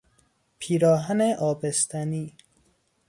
پیراهن آبستنی